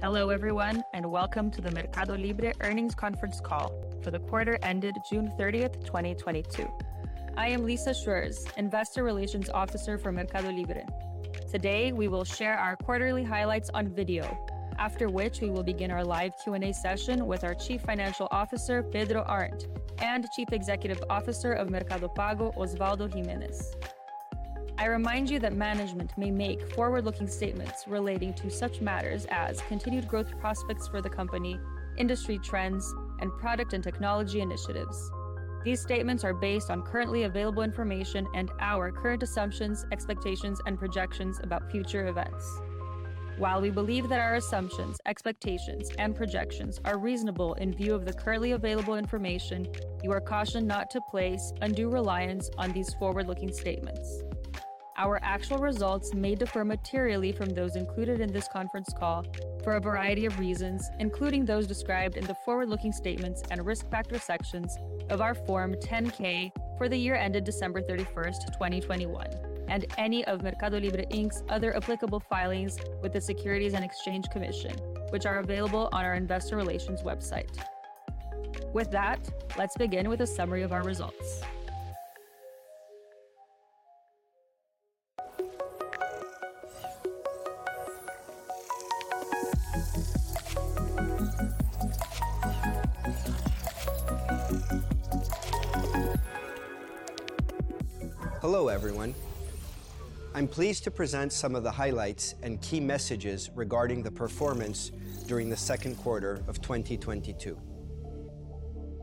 Hello, everyone, and welcome to the MercadoLibre earnings conference call for the quarter ended June 30, 2022. I am Lissa Schreurs, Investor Relations Officer for MercadoLibre. Today, we will share our quarterly highlights on video. After which, we will begin our live Q&A session with our Chief Financial Officer, Pedro Arnt, and Chief Executive Officer of Mercado Pago, Osvaldo Giménez. I remind you that management may make forward-looking statements relating to such matters as continued growth prospects for the company, industry trends, and product and technology initiatives. These statements are based on currently available information and our current assumptions, expectations, and projections about future events. While we believe that our assumptions, expectations, and projections are reasonable in view of the currently available information, you are cautioned not to place undue reliance on these forward-looking statements. Our actual results may differ materially from those included in this conference call for a variety of reasons, including those described in the forward-looking statements and risk factor sections of our Form 10-K for the year ended December 31st, 2021, and any of MercadoLibre, Inc.'s other applicable filings with the Securities and Exchange Commission, which are available on our investor relations website. With that, let's begin with a summary of our results. Hello, everyone. I'm pleased to present some of the highlights and key messages regarding the performance during the second quarter of 2022.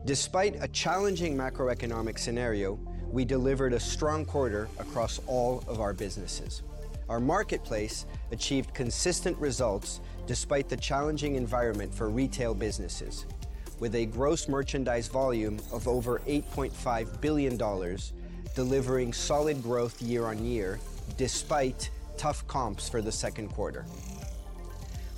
Despite a challenging macroeconomic scenario, we delivered a strong quarter across all of our businesses. Our marketplace achieved consistent results despite the challenging environment for retail businesses with a gross merchandise volume of over $8.5 billion, delivering solid growth year-on-year despite tough comps for the second quarter.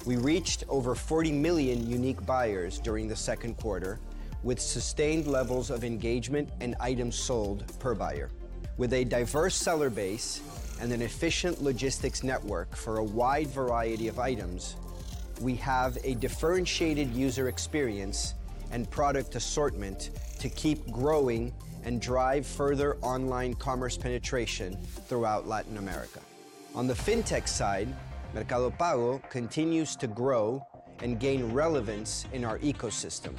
We reached over 40 million unique buyers during the second quarter with sustained levels of engagement and items sold per buyer. With a diverse seller base and an efficient logistics network for a wide variety of items, we have a differentiated user experience and product assortment to keep growing and drive further online commerce penetration throughout Latin America. On the fintech side, Mercado Pago continues to grow and gain relevance in our ecosystem,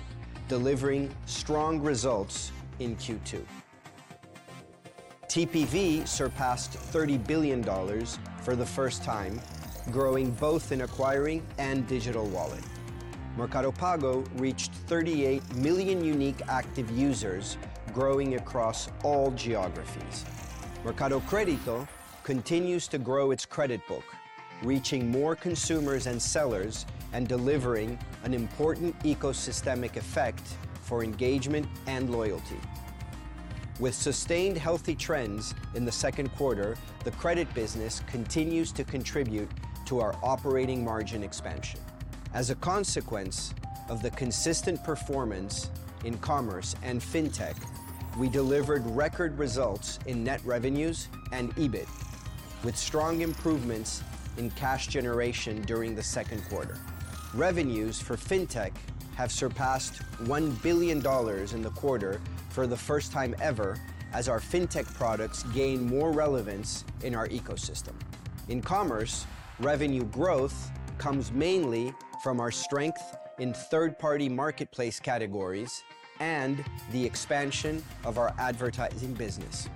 delivering strong results in Q2. TPV surpassed $30 billion for the first time, growing both in acquiring and digital wallet. Mercado Pago reached 38 million unique active users growing across all geographies. Mercado Crédito continues to grow its credit book, reaching more consumers and sellers, and delivering an important ecosystemic effect for engagement and loyalty. With sustained healthy trends in the second quarter, the credit business continues to contribute to our operating margin expansion. As a consequence of the consistent performance in commerce and fintech, we delivered record results in net revenues and EBIT with strong improvements in cash generation during the second quarter. Revenues for fintech have surpassed $1 billion in the quarter for the first time ever as our fintech products gain more relevance in our ecosystem. In commerce, revenue growth comes mainly from our strength in third-party marketplace categories and the expansion of our advertising business.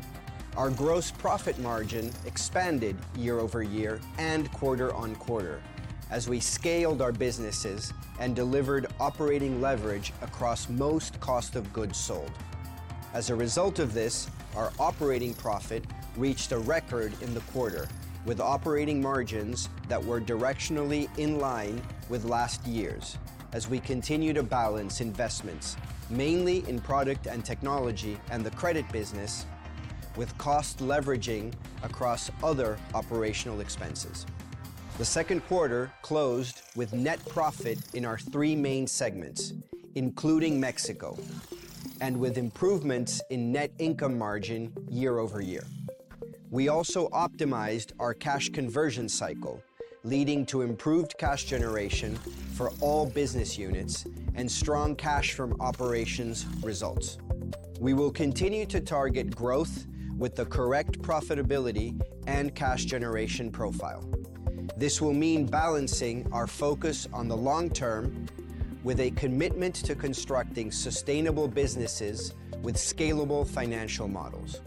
Our gross profit margin expanded year-over-year and quarter-over-quarter as we scaled our businesses and delivered operating leverage across most cost of goods sold. As a result of this, our operating profit reached a record in the quarter with operating margins that were directionally in line with last year's as we continue to balance investments, mainly in product and technology and the credit business with cost leveraging across other operational expenses. The second quarter closed with net profit in our three main segments, including Mexico, and with improvements in net income margin year-over-year. We also optimized our cash conversion cycle, leading to improved cash generation for all business units and strong cash from operations results. We will continue to target growth with the correct profitability and cash generation profile. This will mean balancing our focus on the long term with a commitment to constructing sustainable businesses with scalable financial models.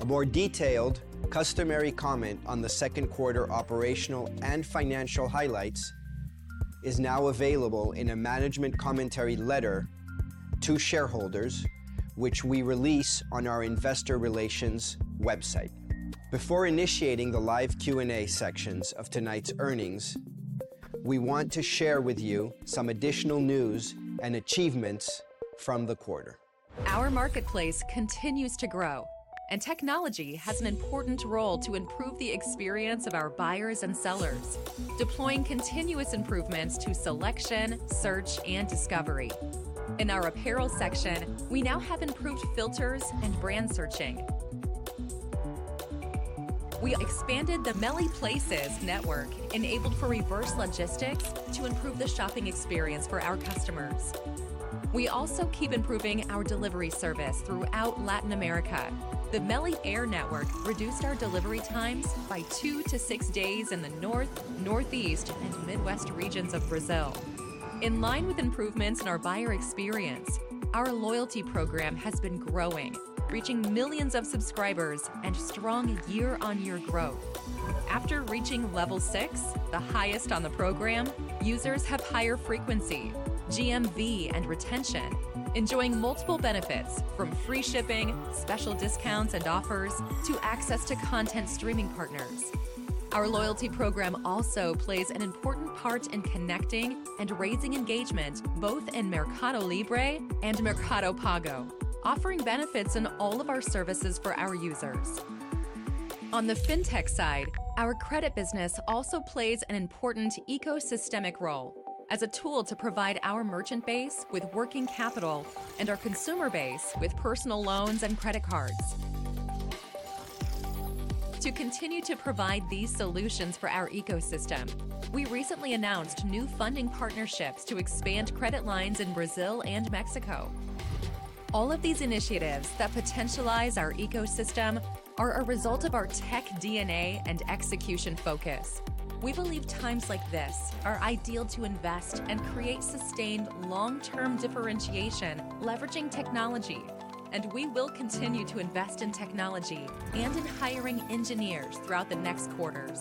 A more detailed customary comment on the second quarter operational and financial highlights is now available in a management commentary letter to shareholders, which we release on our investor relations website. Before initiating the live Q&A sections of tonight's earnings, we want to share with you some additional news and achievements from the quarter. Our marketplace continues to grow, and technology has an important role to improve the experience of our buyers and sellers, deploying continuous improvements to selection, search, and discovery. In our apparel section, we now have improved filters and brand searching. We expanded the Meli Places network enabled for reverse logistics to improve the shopping experience for our customers. We also keep improving our delivery service throughout Latin America. The Meli Air network reduced our delivery times by two-six days in the North, Northeast, and Midwest regions of Brazil. In line with improvements in our buyer experience, our loyalty program has been growing, reaching millions of subscribers and strong year-on-year growth. After reaching level 6, the highest on the program, users have higher frequency, GMV, and retention, enjoying multiple benefits from free shipping, special discounts and offers, to access to content streaming partners. Our loyalty program also plays an important part in connecting and raising engagement, both in MercadoLibre and Mercado Pago, offering benefits in all of our services for our users. On the fintech side, our credit business also plays an important ecosystemic role as a tool to provide our merchant base with working capital and our consumer base with personal loans and credit cards. To continue to provide these solutions for our ecosystem, we recently announced new funding partnerships to expand credit lines in Brazil and Mexico. All of these initiatives that potentialize our ecosystem are a result of our tech DNA and execution focus. We believe times like this are ideal to invest and create sustained long-term differentiation, leveraging technology, and we will continue to invest in technology and in hiring engineers throughout the next quarters.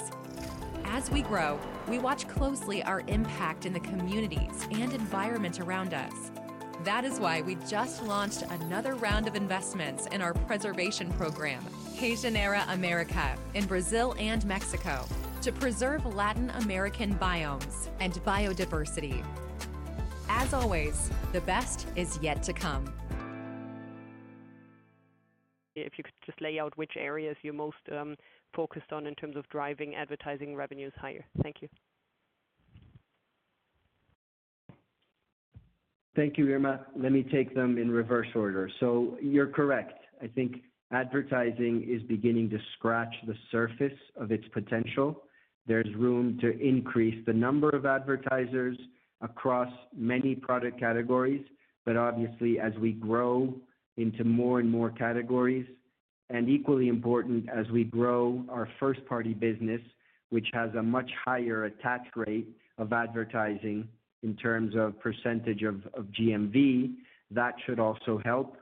As we grow, we watch closely our impact in the communities and environment around us. That is why we just launched another round of investments in our preservation program, Regenera América, in Brazil and Mexico to preserve Latin American biomes and biodiversity. As always, the best is yet to come. If you could just lay out which areas you're most focused on in terms of driving advertising revenues higher? Thank you. Thank you, Irma. Let me take them in reverse order. You're correct. I think advertising is beginning to scratch the surface of its potential. There's room to increase the number of advertisers across many product categories, but obviously, as we grow into more and more categories, and equally important, as we grow our first-party business, which has a much higher attach rate of advertising in terms of percentage of GMV, that should also help.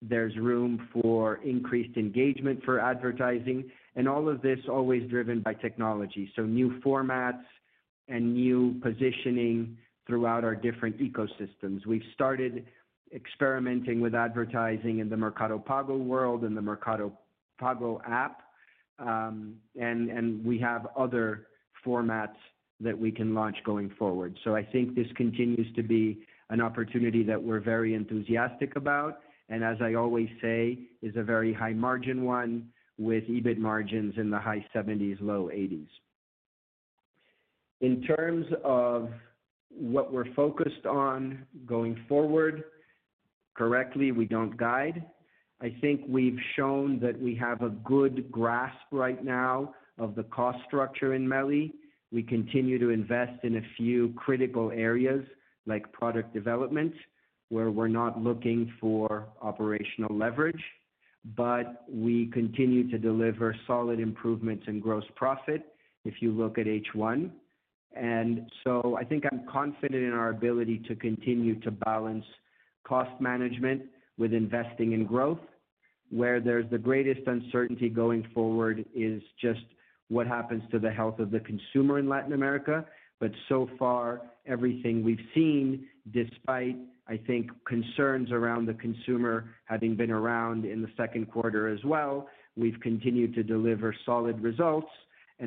There's room for increased engagement for advertising and all of this always driven by technology. New formats and new positioning throughout our different ecosystems. We've started experimenting with advertising in the Mercado Pago world, in the Mercado Pago app, and we have other formats that we can launch going forward. I think this continues to be an opportunity that we're very enthusiastic about, and as I always say, is a very high margin one with EBIT margins in the high 70s%-low 80s%. In terms of what we're focused on going forward, correctly, we don't guide. I think we've shown that we have a good grasp right now of the cost structure in Meli. We continue to invest in a few critical areas like product development, where we're not looking for operational leverage, but we continue to deliver solid improvements in gross profit if you look at H1. I think I'm confident in our ability to continue to balance cost management with investing in growth. Where there's the greatest uncertainty going forward is just what happens to the health of the consumer in Latin America. So far, everything we've seen, despite, I think, concerns around the consumer having been around in the second quarter as well, we've continued to deliver solid results.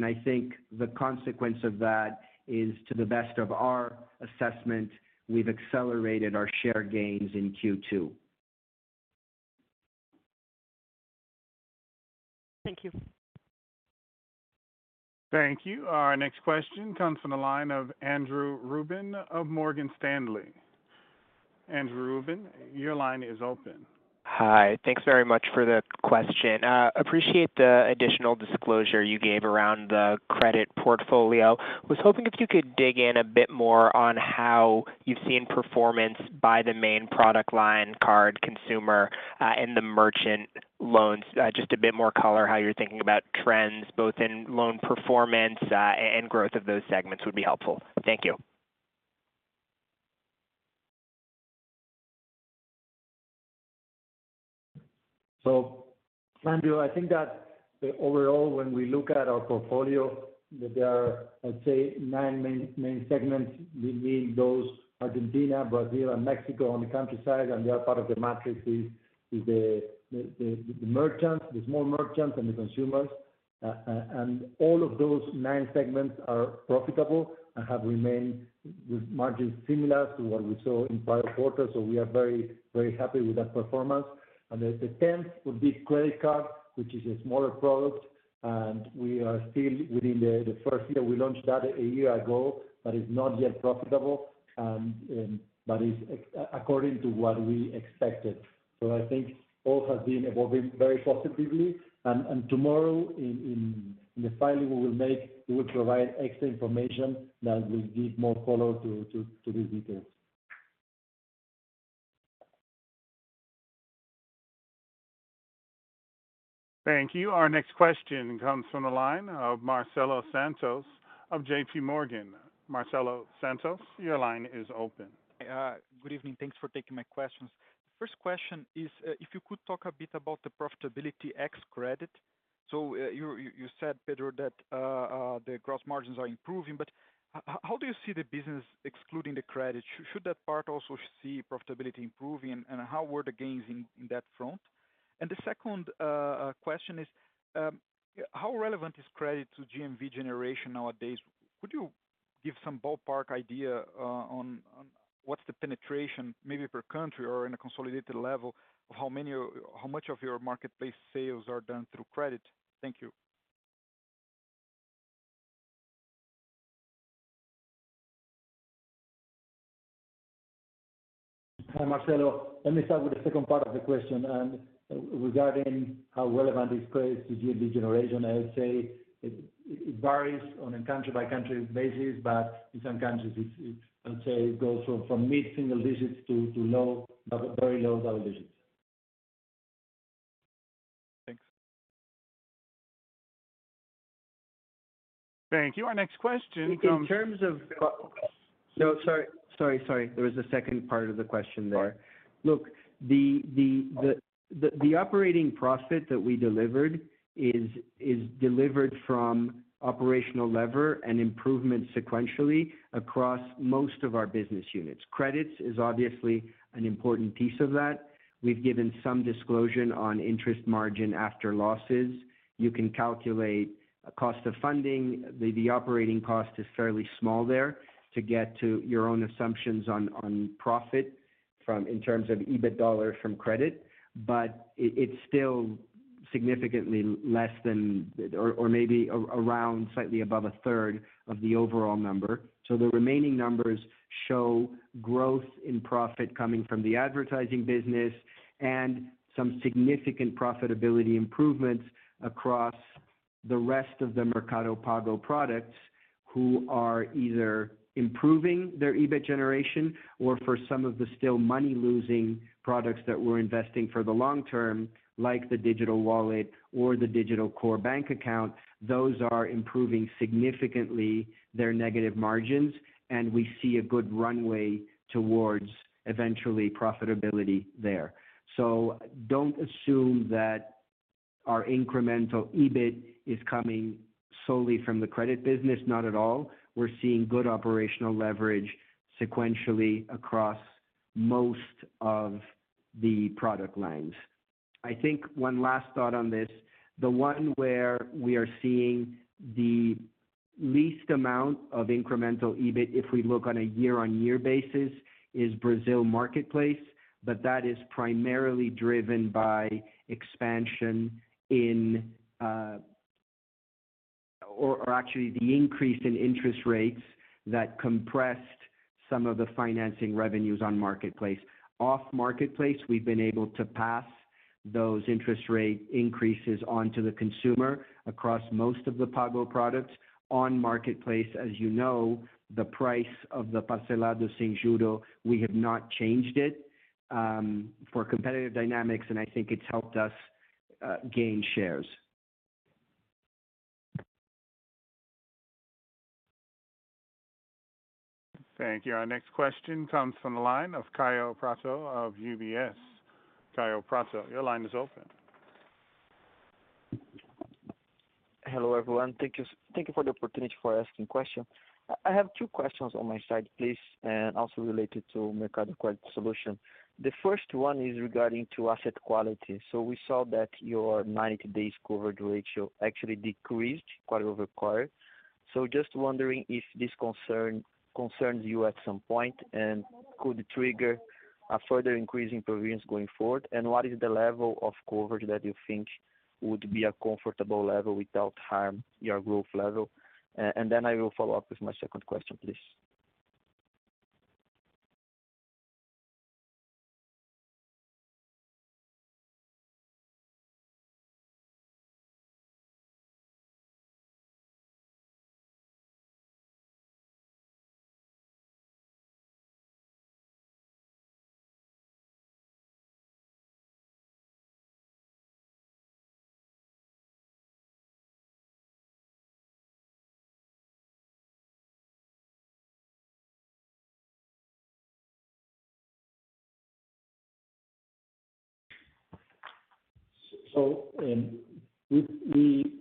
I think the consequence of that is, to the best of our assessment, we've accelerated our share gains in Q2. Thank you. Thank you. Our next question comes from the line of Andrew Ruben of Morgan Stanley. Andrew Ruben, your line is open. Hi. Thanks very much for the question. Appreciate the additional disclosure you gave around the credit portfolio. Was hoping if you could dig in a bit more on how you've seen performance by the main product line card consumer, and the merchant loans. Just a bit more color how you're thinking about trends both in loan performance, and growth of those segments would be helpful. Thank you. Andrew, I think that overall when we look at our portfolio that there are, let's say, nine main segments. We mean those Argentina, Brazil, and Mexico on the country side, and the other part of the matrix is the merchants, the small merchants and the consumers. All of those 9 segments are profitable and have remained with margins similar to what we saw in prior quarters. We are very, very happy with that performance. The 10th would be credit card, which is a smaller product. We are still within the first year we launched that a year ago, that is not yet profitable, and that is according to what we expected. I think all has been evolving very positively, and tomorrow in the filing we will make, we will provide extra information that will give more color to these details. Thank you. Our next question comes from the line of Marcelo Santos of JPMorgan. Marcelo Santos, your line is open. Yeah. Good evening. Thanks for taking my questions. First question is, if you could talk a bit about the profitability ex credit. So you said, Pedro, that the gross margins are improving, but how do you see the business excluding the credit? Should that part also see profitability improving? How were the gains in that front? The second question is, how relevant is credit to GMV generation nowadays? Could you give some ballpark idea on what's the penetration, maybe per country or in a consolidated level, of how many or how much of your marketplace sales are done through credit? Thank you. Hi, Marcelo. Let me start with the second part of the question. Regarding how relevant is credit to GMV generation, I would say it varies on a country-by-country basis, but in some countries, it's, I would say, it goes from mid-single digits to low, very low double digits. Thanks. Thank you. Our next question comes. No, sorry. There was a second part of the question there. Sorry. Look, the operating profit that we delivered is delivered from operational leverage and improvement sequentially across most of our business units. Credit is obviously an important piece of that. We've given some disclosure on interest margin after losses. You can calculate cost of funding. The operating cost is fairly small there to get to your own assumptions on profit from in terms of EBIT dollars from credit. But it's still significantly less than or maybe around slightly above 1/3 of the overall number. The remaining numbers show growth in profit coming from the advertising business and some significant profitability improvements across the rest of the Mercado Pago products, who are either improving their EBIT generation. For some of the still money-losing products that we're investing for the long term, like the digital wallet or the digital core bank account, those are improving significantly their negative margins, and we see a good runway towards eventually profitability there. Don't assume that our incremental EBIT is coming solely from the credit business. Not at all. We're seeing good operational leverage sequentially across most of the product lines. I think one last thought on this, the one where we are seeing the least amount of incremental EBIT, if we look on a year-on-year basis, is Brazil Marketplace, but that is primarily driven by the increase in interest rates that compressed some of the financing revenues on Marketplace. Off Marketplace, we've been able to pass those interest rate increases on to the consumer across most of the Pago products. On Marketplace, as you know, the price of the parcelado sem juros, we have not changed it for competitive dynamics, and I think it's helped us gain shares. Thank you. Our next question comes from the line of Kaio Prato of UBS. Kaio Prato, your line is open. Hello, everyone. Thank you for the opportunity to ask a question. I have two questions from my side, please, both related to Mercado Crédito solution. The first one is regarding asset quality. We saw that your 90-day coverage ratio actually decreased quarter-over-quarter. Just wondering if this concerns you at some point and could trigger a further increase in provisions going forward. What is the level of coverage that you think would be a comfortable level without harming your growth level? I will follow up with my second question, please. The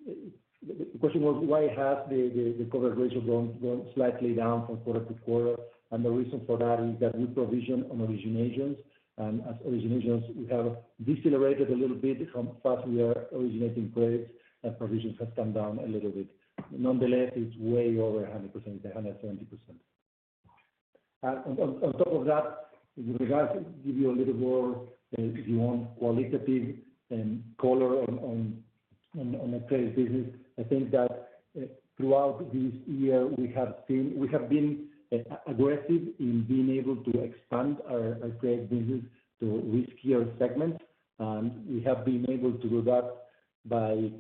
question was why has the coverage ratio gone slightly down from quarter to quarter. The reason for that is that we provision on originations. As originations, we have decelerated a little bit from how fast we are originating credits, and provisions have come down a little bit. Nonetheless, it's way over 100%, it's 170%. On top of that, with regards to giving you a little more, if you want qualitative and color on the credit business, I think that throughout this year we have been aggressive in being able to expand our credit business to riskier segments. We have been able to do that by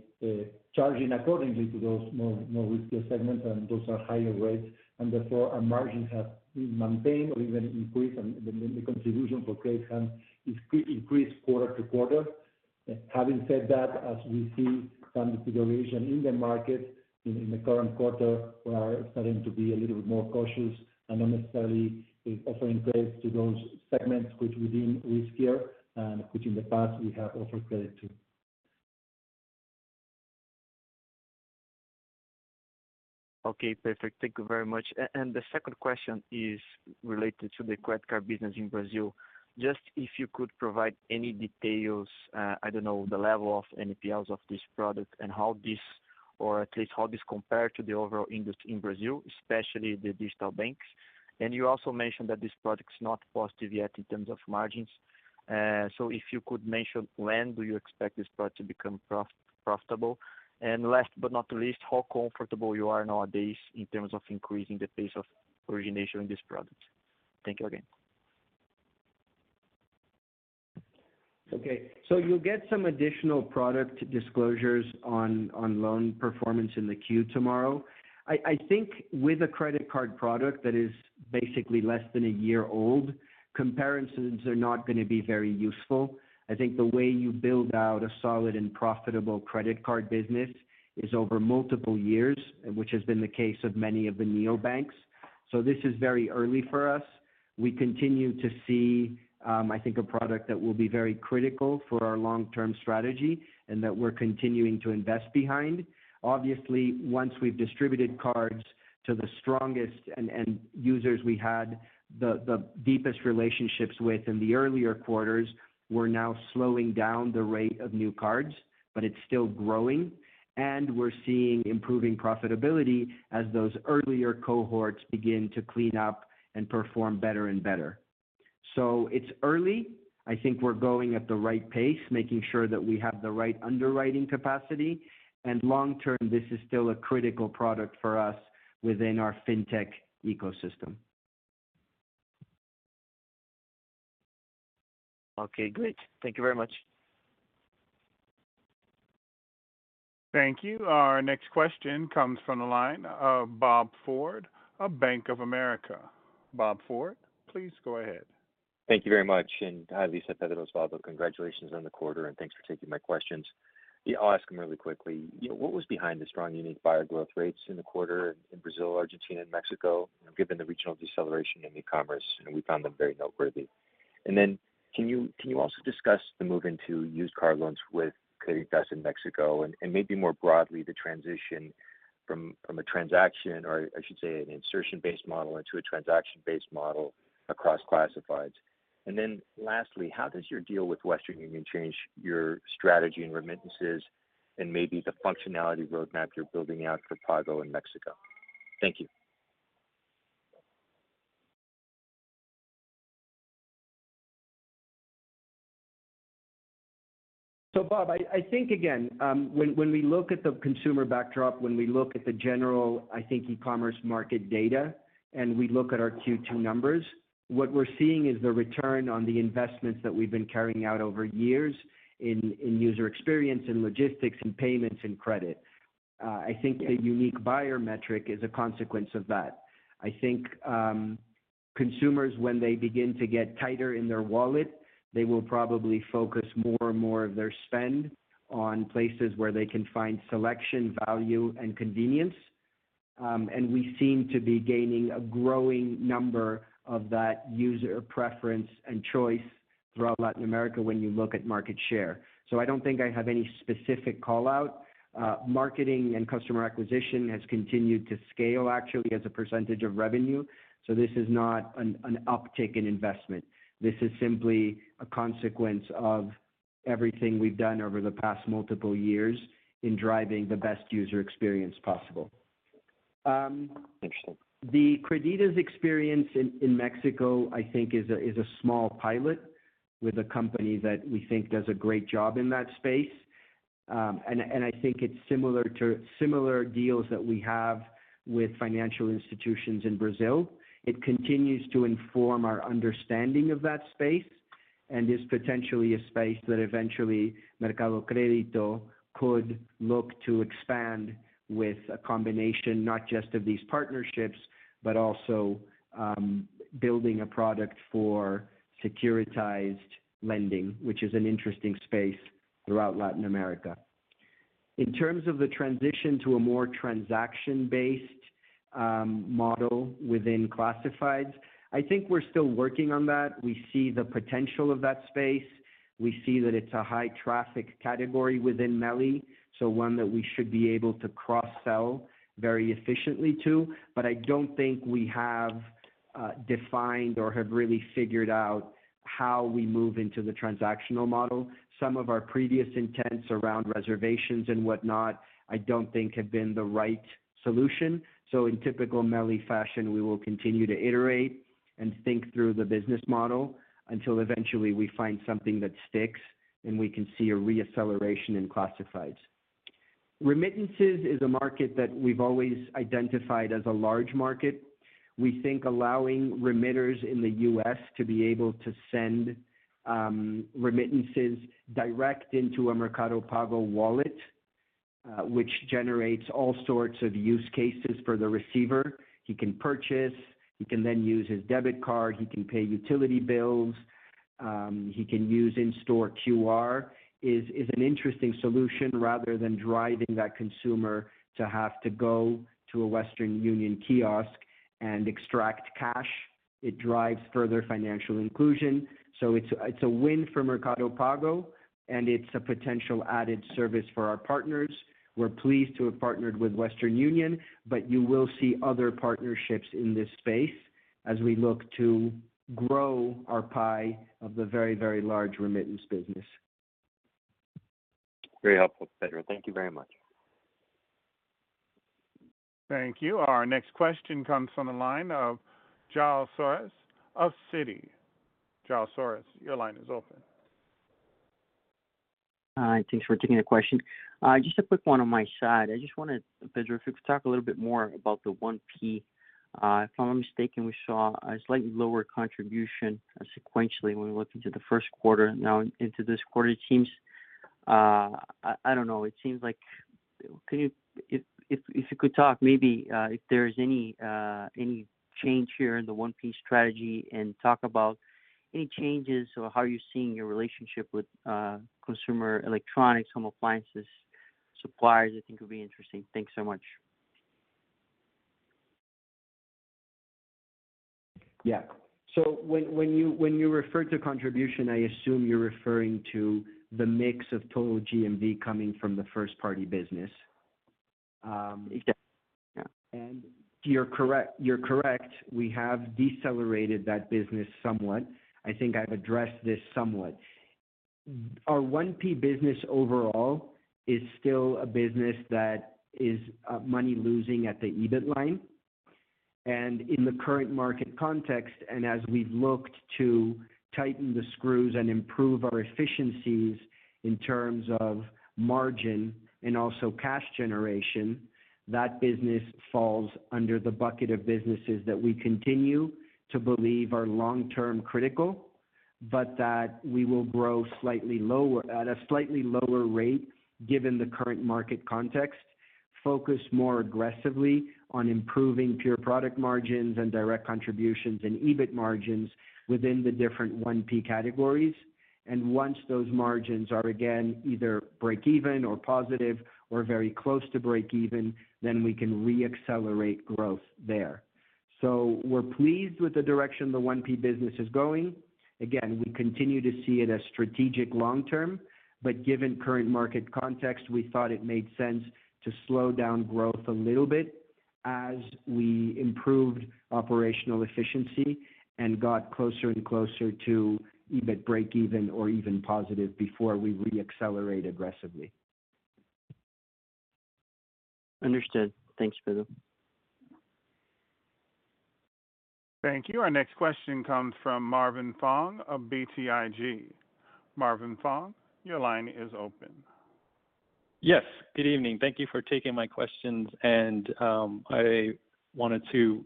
charging accordingly to those more riskier segments, and those are higher rates. Therefore, our margins have been maintained or even increased, and the contribution for credit has increased quarter to quarter. Having said that, as we see some deterioration in the market in the current quarter, we are starting to be a little bit more cautious and not necessarily offering credits to those segments which are riskier and which in the past we have offered credit to. Okay, perfect. Thank you very much. The second question is related to the credit card business in Brazil. Just if you could provide any details, I don't know, the level of NPLs of this product and how this or at least how this compared to the overall industry in Brazil, especially the digital banks. You also mentioned that this product is not positive yet in terms of margins. If you could mention when do you expect this product to become profitable? Last but not least, how comfortable you are nowadays in terms of increasing the pace of origination in this product? Thank you again. Okay. You'll get some additional product disclosures on loan performance in the queue tomorrow. I think with a credit card product that is basically less than a year old, comparisons are not gonna be very useful. I think the way you build out a solid and profitable credit card business is over multiple years, which has been the case of many of the neobanks. This is very early for us. We continue to see, I think a product that will be very critical for our long-term strategy and that we're continuing to invest behind. Obviously, once we've distributed cards to the strongest and users we had the deepest relationships with in the earlier quarters, we're now slowing down the rate of new cards, but it's still growing. We're seeing improving profitability as those earlier cohorts begin to clean up and perform better and better. It's early. I think we're going at the right pace, making sure that we have the right underwriting capacity. Long-term, this is still a critical product for us within our fintech ecosystem. Okay, great. Thank you very much. Thank you. Our next question comes from the line of Bob Ford of Bank of America. Bob Ford, please go ahead. Thank you very much. Hi, Lissa, Pedro, Osvaldo. Congratulations on the quarter, and thanks for taking my questions. Yeah, I'll ask them really quickly. What was behind the strong unique buyer growth rates in the quarter in Brazil, Argentina, and Mexico, given the regional deceleration in e-commerce? We found them very noteworthy. Can you also discuss the move into used car loans with Creditas in Mexico, and maybe more broadly, the transition from a transaction or I should say, an insertion-based model into a transaction-based model across classifieds. Lastly, how does your deal with Western Union change your strategy and remittances and maybe the functionality roadmap you're building out for Pago in Mexico? Thank you. Bob, I think, again, when we look at the consumer backdrop, when we look at the general, I think, e-commerce market data, and we look at our Q2 numbers, what we're seeing is the return on the investments that we've been carrying out over years in user experience, in logistics, in payments, in credit. I think a unique buyer metric is a consequence of that. I think, consumers, when they begin to get tighter in their wallet, they will probably focus more and more of their spend on places where they can find selection, value, and convenience. We seem to be gaining a growing number of that user preference and choice throughout Latin America when you look at market share. I don't think I have any specific call-out. Marketing and customer acquisition has continued to scale actually as a percentage of revenue. This is not an uptick in investment. This is simply a consequence of everything we've done over the past multiple years in driving the best user experience possible. Interesting. The Creditas experience in Mexico, I think is a small pilot with a company that we think does a great job in that space. I think it's similar to deals that we have with financial institutions in Brazil. It continues to inform our understanding of that space and is potentially a space that eventually Mercado Crédito could look to expand with a combination, not just of these partnerships, but also building a product for securitized lending, which is an interesting space throughout Latin America. In terms of the transition to a more transaction-based model within classifieds, I think we're still working on that. We see the potential of that space. We see that it's a high traffic category within MELI, so one that we should be able to cross-sell very efficiently to. I don't think we have defined or have really figured out how we move into the transactional model. Some of our previous intents around reservations and whatnot I don't think have been the right solution. In typical MELI fashion, we will continue to iterate and think through the business model until eventually we find something that sticks, and we can see a reacceleration in classifieds. Remittances is a market that we've always identified as a large market. We think allowing remitters in the U.S. to be able to send remittances direct into a Mercado Pago wallet, which generates all sorts of use cases for the receiver. He can purchase, he can then use his debit card, he can pay utility bills, he can use in-store QR. It is an interesting solution rather than driving that consumer to have to go to a Western Union kiosk and extract cash. It drives further financial inclusion. It's a win for Mercado Pago, and it's a potential added service for our partners. We're pleased to have partnered with Western Union, but you will see other partnerships in this space as we look to grow our pie of the very, very large remittance business. Very helpful, Pedro. Thank you very much. Thank you. Our next question comes from the line of João Soares of Citi. João Soares, your line is open. Hi, thanks for taking the question. Just a quick one on my side. I just wanted, Pedro, if you could talk a little bit more about the 1P. If I'm not mistaken, we saw a slightly lower contribution sequentially when we looked into the first quarter. Now into this quarter, it seems I don't know. It seems like. If you could talk maybe if there is any change here in the 1P strategy and talk about any changes or how you're seeing your relationship with consumer electronics, home appliances, suppliers, I think will be interesting. Thanks so much. When you refer to contribution, I assume you're referring to the mix of total GMV coming from the first party business. Exactly. Yeah. You're correct. We have decelerated that business somewhat. I think I've addressed this somewhat. Our 1P business overall is still a business that is money losing at the EBIT line. In the current market context, and as we've looked to tighten the screws and improve our efficiencies in terms of margin and also cash generation, that business falls under the bucket of businesses that we continue to believe are long-term critical, but that we will grow at a slightly lower rate given the current market context. Focus more aggressively on improving pure product margins and direct contributions and EBIT margins within the different 1P categories. Once those margins are again either break even or positive or very close to break even, then we can re-accelerate growth there. We're pleased with the direction the 1P business is going. Again, we continue to see it as strategic long term, but given current market context, we thought it made sense to slow down growth a little bit as we improved operational efficiency and got closer and closer to EBIT breakeven or even positive before we re-accelerate aggressively. Understood. Thanks, Pedro. Thank you. Our next question comes from Marvin Fong of BTIG. Marvin Fong, your line is open. Yes. Good evening. Thank you for taking my questions. I wanted to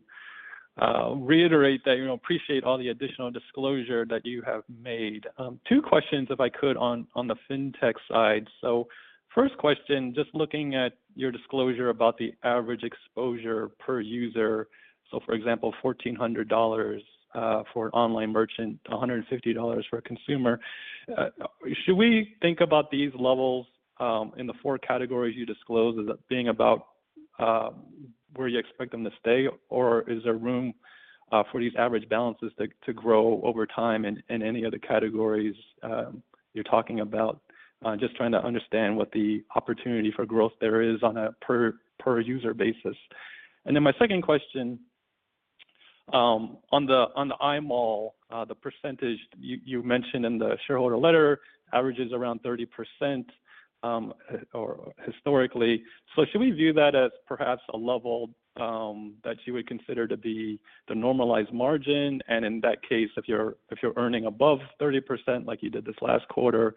reiterate that, you know, appreciate all the additional disclosure that you have made. Two questions if I could on the fintech side. So first question, just looking at your disclosure about the average exposure per user. So for example, $1,400 for an online merchant, $150 for a consumer. Should we think about these levels in the four categories you disclose as being about where you expect them to stay? Or is there room for these average balances to grow over time in any of the categories you're talking about? Just trying to understand what the opportunity for growth there is on a per user basis. My second question, on the NIMAL, the percentage you mentioned in the shareholder letter averages around 30%, or historically. Should we view that as perhaps a level that you would consider to be the normalized margin? In that case, if you're earning above 30% like you did this last quarter,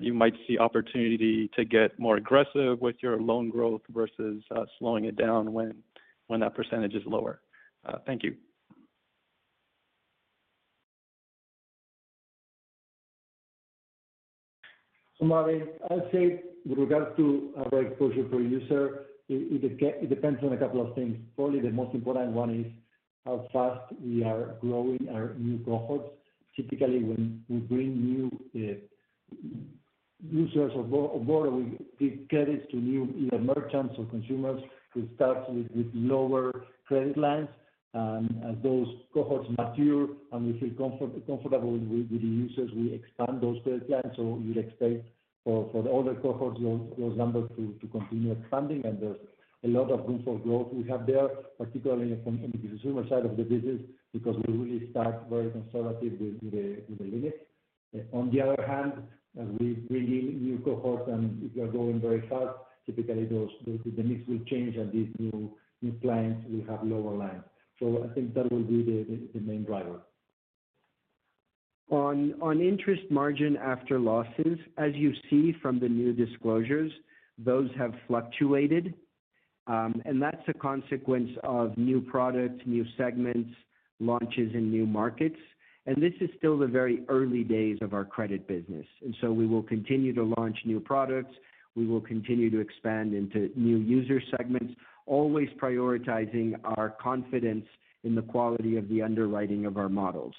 you might see opportunity to get more aggressive with your loan growth versus slowing it down when that percentage is lower. Thank you. Marvin, I'd say with regard to our exposure per user, it depends on a couple of things. Probably the most important one is how fast we are growing our new cohorts. Typically, when we bring new users onboard, we give credits to new either merchants or consumers who start with lower credit lines. As those cohorts mature and we feel comfortable with the users, we expand those credit lines. We'd expect for the older cohorts, those numbers to continue expanding. There's a lot of room for growth we have there, particularly in the consumer side of the business, because we really start very conservative with the limits. On the other hand, as we bring in new cohorts and if they are growing very fast, typically those, the mix will change and these new clients will have lower lines. I think that will be the main driver. On net interest margin after losses, as you see from the new disclosures, those have fluctuated. That's a consequence of new products, new segments, launches in new markets. This is still the very early days of our credit business. We will continue to launch new products. We will continue to expand into new user segments, always prioritizing our confidence in the quality of the underwriting of our models.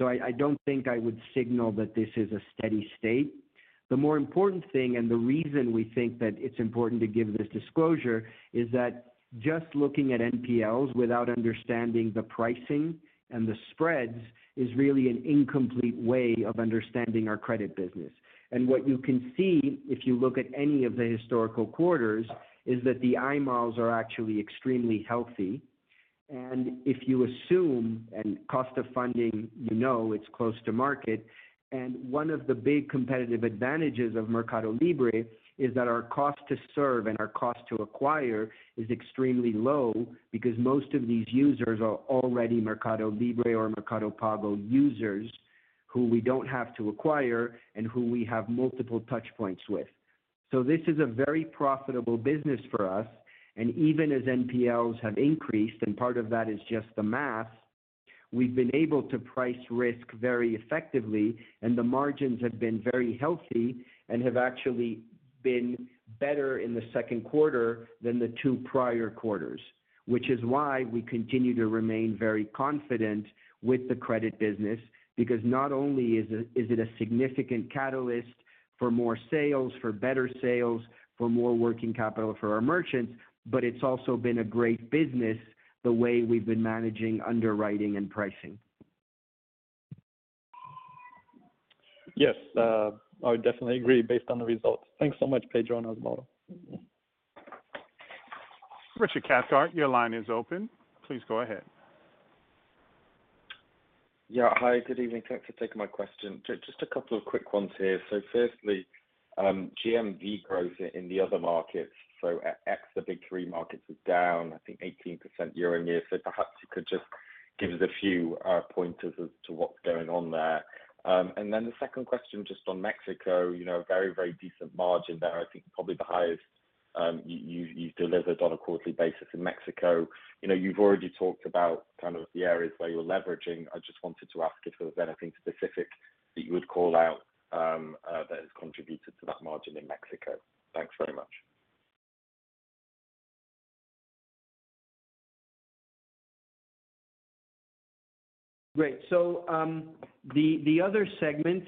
I don't think I would signal that this is a steady state. The more important thing, and the reason we think that it's important to give this disclosure, is that just looking at NPLs without understanding the pricing and the spreads is really an incomplete way of understanding our credit business. What you can see if you look at any of the historical quarters is that the NIMALs are actually extremely healthy. If you assume a cost of funding, you know it's close to market. One of the big competitive advantages of MercadoLibre is that our cost to serve and our cost to acquire is extremely low because most of these users are already MercadoLibre or Mercado Pago users who we don't have to acquire and who we have multiple touch points with. This is a very profitable business for us. Even as NPLs have increased, and part of that is just the math, we've been able to price risk very effectively and the margins have been very healthy and have actually been better in the second quarter than the two prior quarters. Which is why we continue to remain very confident with the credit business, because not only is it a significant catalyst for more sales, for better sales, for more working capital for our merchants, but it's also been a great business the way we've been managing underwriting and pricing. Yes. I would definitely agree based on the results. Thanks so much, Pedro and Osvaldo. Richard Cathcart, your line is open. Please go ahead. Yeah. Hi. Good evening. Thanks for taking my question. Just a couple of quick ones here. Firstly, GMV growth in the other markets. Excluding the big three markets is down, I think 18% year-over-year. Perhaps you could just give us a few pointers as to what's going on there. Then the second question, just on Mexico, you know, very, very decent margin there. I think probably the highest you've delivered on a quarterly basis in Mexico. You know, you've already talked about kind of the areas where you're leveraging. I just wanted to ask if there was anything specific that you would call out that has contributed to that margin in Mexico. Thanks very much. Great. The other segment,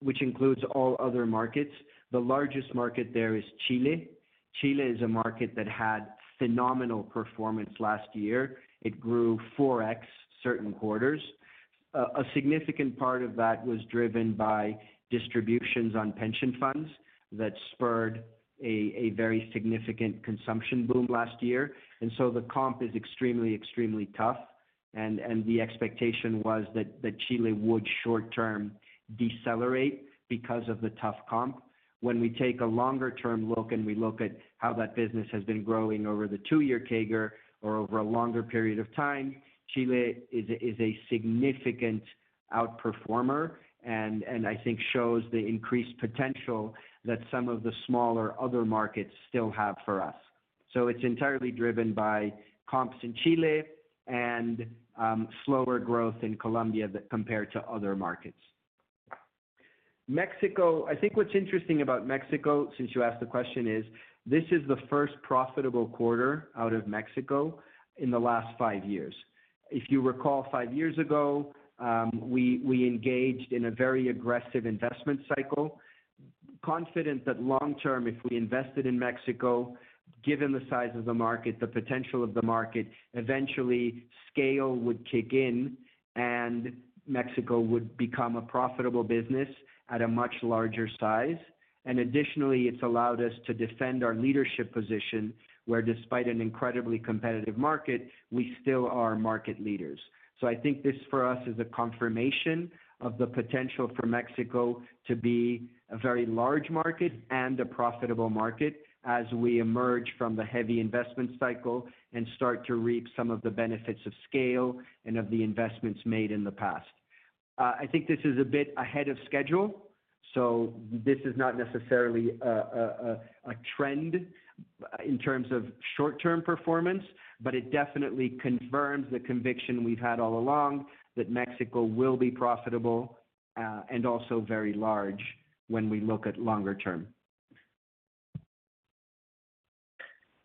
which includes all other markets, the largest market there is Chile. Chile is a market that had phenomenal performance last year. It grew 4x in certain quarters. A significant part of that was driven by distributions on pension funds that spurred a very significant consumption boom last year. The comp is extremely tough. The expectation was that Chile would short-term decelerate because of the tough comp. When we take a longer-term look, and we look at how that business has been growing over the two-year CAGR or over a longer period of time, Chile is a significant outperformer and I think shows the increased potential that some of the smaller other markets still have for us. It's entirely driven by comps in Chile and slower growth in Colombia compared to other markets. Mexico. I think what's interesting about Mexico, since you asked the question, is this is the first profitable quarter out of Mexico in the last five years. If you recall, five years ago, we engaged in a very aggressive investment cycle, confident that long term, if we invested in Mexico, given the size of the market, the potential of the market, eventually scale would kick in and Mexico would become a profitable business at a much larger size. Additionally, it's allowed us to defend our leadership position, where despite an incredibly competitive market, we still are market leaders. I think this for us is a confirmation of the potential for Mexico to be a very large market and a profitable market as we emerge from the heavy investment cycle and start to reap some of the benefits of scale and of the investments made in the past. I think this is a bit ahead of schedule, so this is not necessarily a trend in terms of short-term performance, but it definitely confirms the conviction we've had all along that Mexico will be profitable, and also very large when we look at longer term.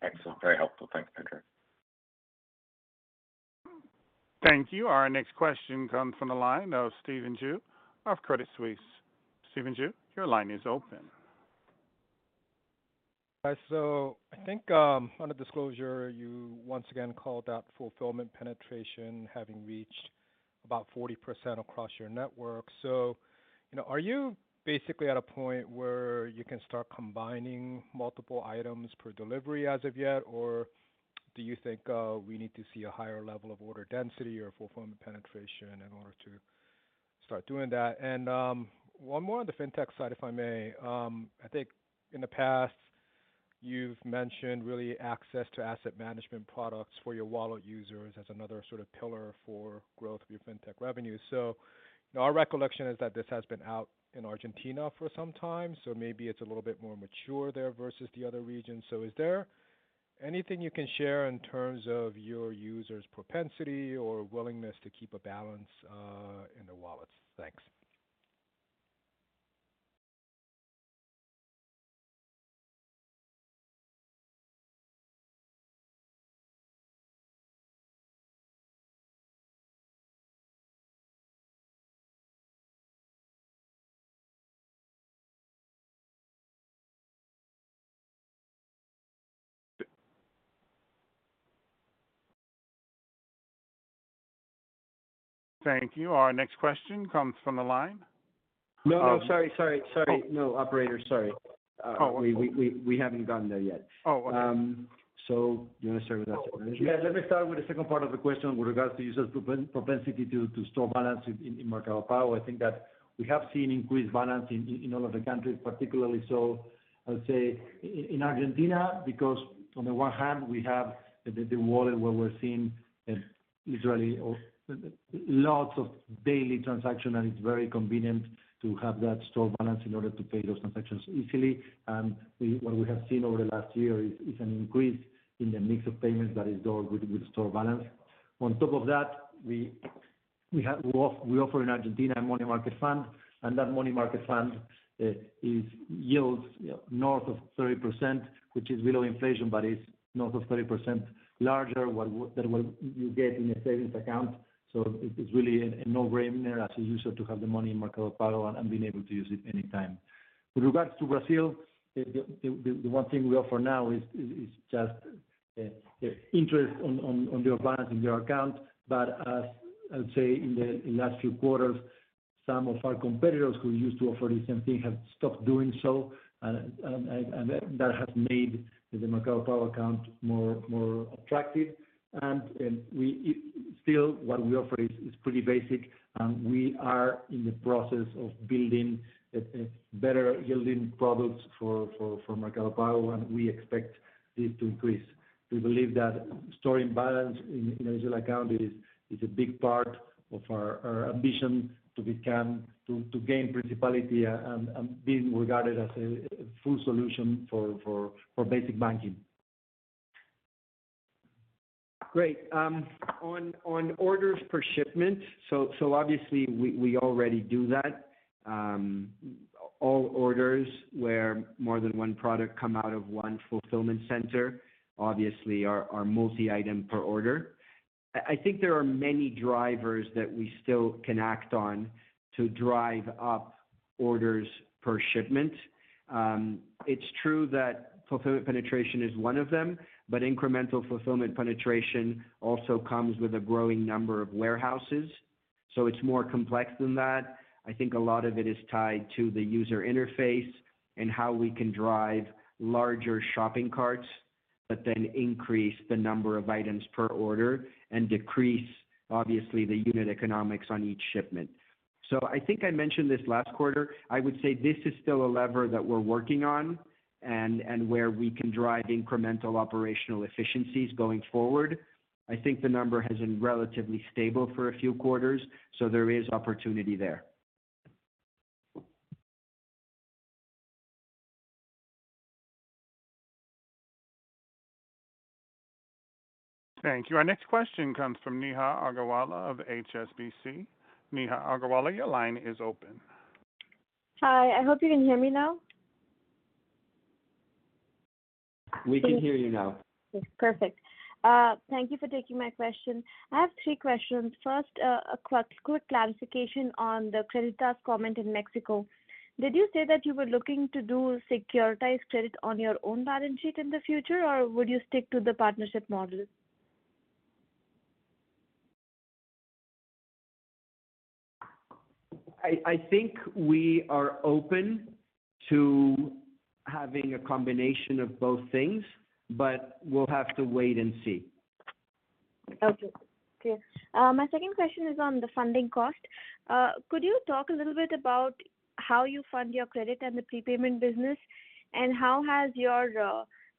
Excellent. Very helpful. Thanks, Pedro. Thank you. Our next question comes from the line of Stephen Ju of Credit Suisse. Stephen Ju, your line is open. I think under disclosure, you once again called out fulfillment penetration having reached about 40% across your network. You know, are you basically at a point where you can start combining multiple items per delivery as of yet? Or do you think we need to see a higher level of order density or fulfillment penetration in order to start doing that? One more on the fintech side, if I may. I think in the past You've mentioned really access to asset management products for your wallet users as another sort of pillar for growth of your fintech revenue. Our recollection is that this has been out in Argentina for some time, so maybe it's a little bit more mature there versus the other regions. Is there anything you can share in terms of your users propensity or willingness to keep a balance in their wallets? Thanks. Thank you. Our next question comes from the line. No, sorry. No, operator. Sorry. Oh. We haven't gotten there yet. Oh, okay. Do you want to start with that? Yeah. Let me start with the second part of the question with regards to user propensity to store balance in Mercado Pago. I think that we have seen increased balance in all of the countries particularly. I would say in Argentina, because on the one hand, we have the wallet where we're seeing usually lots of daily transaction, and it's very convenient to have that store balance in order to pay those transactions easily. What we have seen over the last year is an increase in the mix of payments that is done with store balance. On top of that, we offer in Argentina a money market fund, and that money market fund yields north of 30%, which is below inflation, but is north of 30%, larger than what you get in a savings account. It's really a no-brainer as a user to have the money in Mercado Pago and being able to use it anytime. With regards to Brazil, the one thing we offer now is just interest on your balance in your account. But as I'd say in the last few quarters, some of our competitors who used to offer the same thing have stopped doing so, and that has made the Mercado Pago account more attractive. We... Still, what we offer is pretty basic, and we are in the process of building a better yielding products for Mercado Pago, and we expect this to increase. We believe that storing balance in a digital account is a big part of our ambition to gain primacy and being regarded as a full solution for basic banking. Great. On orders per shipment. Obviously we already do that. All orders where more than one product come out of one fulfillment center obviously are multi-item per order. I think there are many drivers that we still can act on to drive up orders per shipment. It's true that fulfillment penetration is one of them, but incremental fulfillment penetration also comes with a growing number of warehouses. It's more complex than that. I think a lot of it is tied to the user interface and how we can drive larger shopping carts, but then increase the number of items per order and decrease, obviously, the unit economics on each shipment. I think I mentioned this last quarter. I would say this is still a lever that we're working on and where we can drive incremental operational efficiencies going forward. I think the number has been relatively stable for a few quarters, so there is opportunity there. Thank you. Our next question comes from Neha Agarwala of HSBC. Neha Agarwala, your line is open. Hi. I hope you can hear me now. We can hear you now. Perfect. Thank you for taking my question. I have three questions. First, quick clarification on the Creditas comment in Mexico. Did you say that you were looking to do securitized credit on your own balance sheet in the future, or would you stick to the partnership model? I think we are open to having a combination of both things, but we'll have to wait and see. Okay. Clear. My second question is on the funding cost. Could you talk a little bit about how you fund your credit and the prepayment business, and how has your,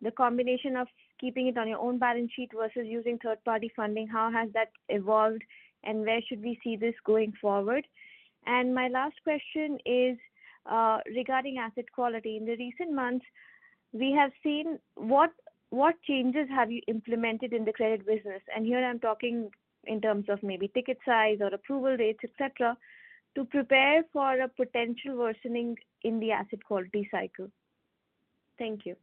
the combination of keeping it on your own balance sheet versus using third-party funding, how has that evolved, and where should we see this going forward? And my last question is, regarding asset quality. In the recent months, we have seen what changes have you implemented in the credit business? And here I'm talking in terms of maybe ticket size or approval rates, et cetera, to prepare for a potential worsening in the asset quality cycle. Thank you.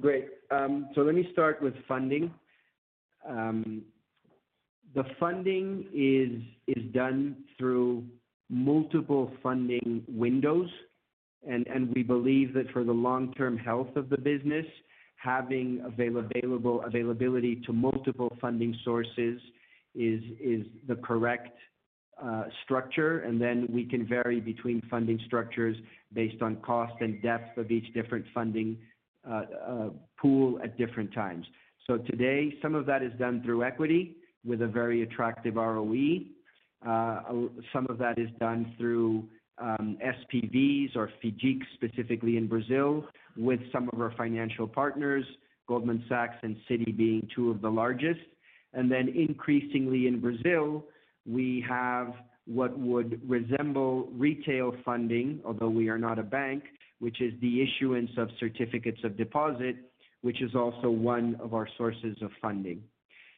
Great. Let me start with funding. The funding is done through multiple funding windows, and we believe that for the long-term health of the business, having availability to multiple funding sources is the correct structure, and then we can vary between funding structures based on cost and depth of each different funding pool at different times. Today, some of that is done through equity with a very attractive ROE. Some of that is done through SPVs or FIDC, specifically in Brazil, with some of our financial partners, Goldman Sachs and Citi being two of the largest. Then increasingly in Brazil, we have what would resemble retail funding although we are not a bank, which is the issuance of certificates of deposit, which is also one of our sources of funding.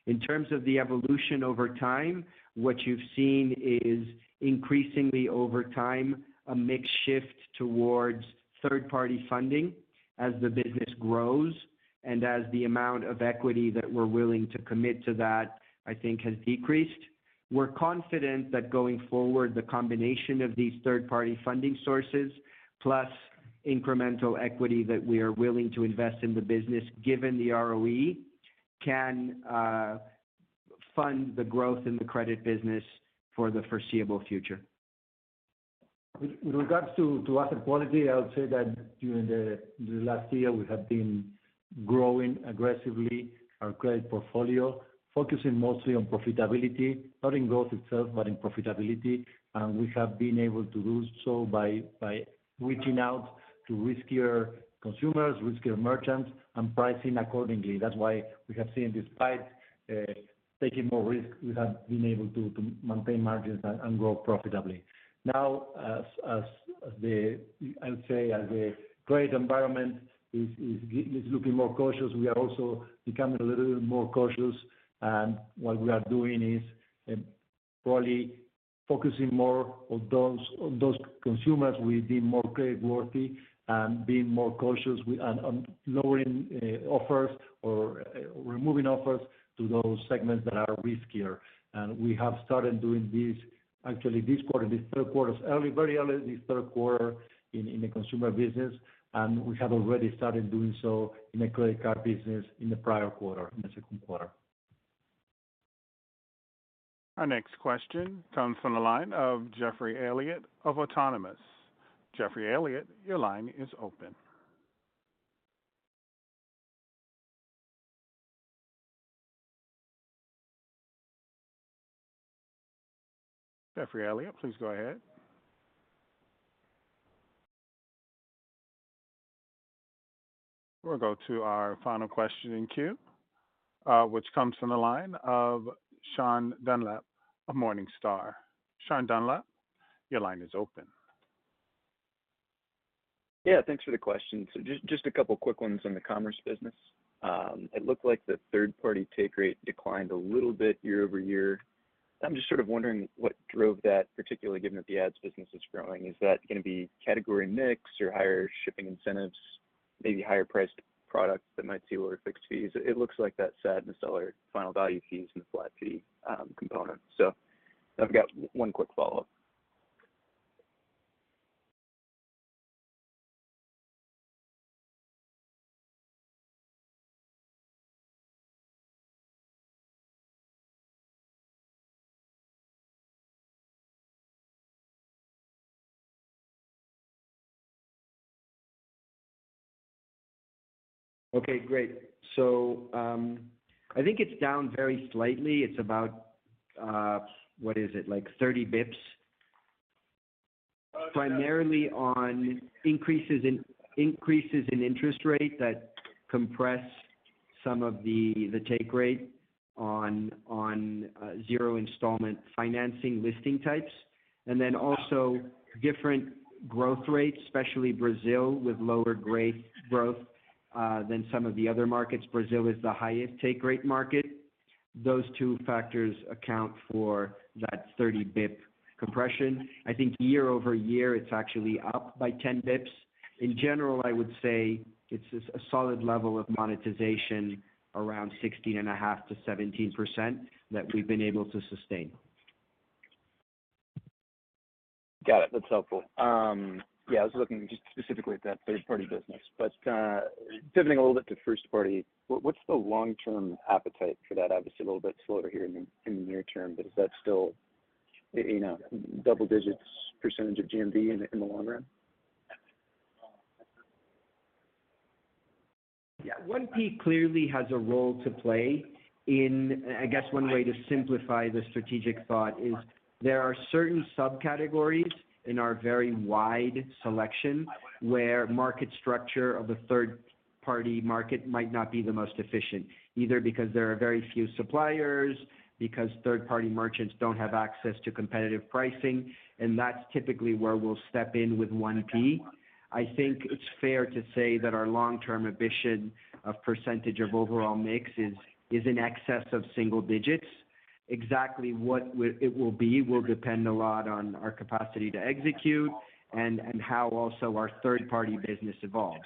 In terms of the evolution over time, what you've seen is increasingly over time, a mix shift towards third-party funding as the business grows and as the amount of equity that we're willing to commit to that, I think has decreased. We're confident that going forward, the combination of these third-party funding sources plus incremental equity that we are willing to invest in the business, given the ROE, can fund the growth in the credit business for the foreseeable future. With regards to asset quality, I would say that during the last year, we have been growing aggressively our credit portfolio, focusing mostly on profitability, not in growth itself, but in profitability. We have been able to do so by reaching out to riskier consumers, riskier merchants, and pricing accordingly. That's why we have seen despite taking more risk, we have been able to maintain margins and grow profitably. Now, I'll say, as the credit environment is looking more cautious, we are also becoming a little bit more cautious. What we are doing is probably focusing more on those consumers will be more creditworthy and being more cautious on lowering offers or removing offers to those segments that are riskier. We have started doing this actually this quarter, this third quarter, very early this third quarter in the consumer business. We have already started doing so in the credit card business in the prior quarter, in the second quarter. Our next question comes from the line of Geoffrey Elliott of Autonomous. Geoffrey Elliott, your line is open. Geoffrey Elliott, please go ahead. We'll go to our final question in queue, which comes from the line of Sean Dunlop of Morningstar. Sean Dunlop, your line is open. Yeah, thanks for the question. Just a couple of quick ones in the commerce business. It looked like the third party take rate declined a little bit year-over-year. I'm just sort of wondering what drove that, particularly given that the ads business is growing. Is that gonna be category mix or higher shipping incentives, maybe higher priced products that might see lower fixed fees? It looks like that sat in the seller final value fees and the flat fee component. I've got one quick follow-up. Okay, great. I think it's down very slightly. It's about, what is it? Like 30 basis points. Primarily on increases in interest rate that compress some of the take rate on zero installment financing listing types. And then also different growth rates, especially Brazil, with lower rate growth than some of the other markets. Brazil is the highest take rate market. Those two factors account for that 30 basis points compression. I think year-over-year, it's actually up by 10 basis points. In general, I would say it's a solid level of monetization around 16.5%-17% that we've been able to sustain. Got it. That's helpful. Yeah, I was looking just specifically at that third-party business. Pivoting a little bit to first-party, what's the long-term appetite for that? Obviously, a little bit slower here in the near term, but is that still, you know, double digits percentage of GMV in the long run? Yeah. 1P clearly has a role to play in. I guess one way to simplify the strategic thought is there are certain subcategories in our very wide selection where market structure of 1/3-party market might not be the most efficient, either because there are very few suppliers, because third-party merchants don't have access to competitive pricing, and that's typically where we'll step in with 1P. I think it's fair to say that our long-term ambition of percentage of overall mix is in excess of single digits. Exactly what it will be will depend a lot on our capacity to execute and how also our third-party business evolves.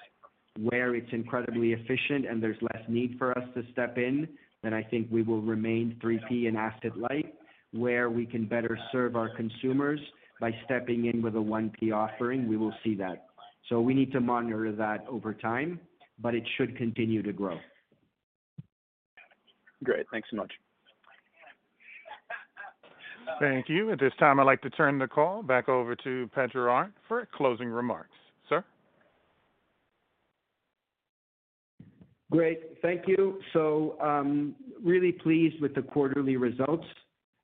Where it's incredibly efficient and there's less need for us to step in, then I think we will remain 3P and asset light. Where we can better serve our consumers by stepping in with a 1P offering, we will see that. We need to monitor that over time, but it should continue to grow. Great. Thanks so much. Thank you. At this time, I'd like to turn the call back over to Pedro Arnt for closing remarks. Sir. Great. Thank you. Really pleased with the quarterly results.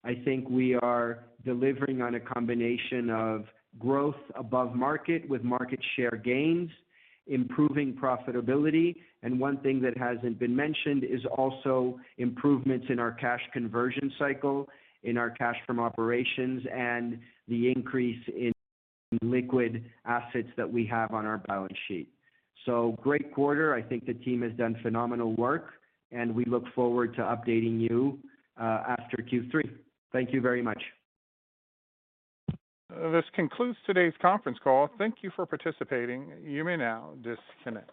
I think we are delivering on a combination of growth above market with market share gains, improving profitability. One thing that hasn't been mentioned is also improvements in our cash conversion cycle, in our cash from operations, and the increase in liquid assets that we have on our balance sheet. Great quarter. I think the team has done phenomenal work, and we look forward to updating you after Q3. Thank you very much. This concludes today's conference call. Thank you for participating. You may now disconnect.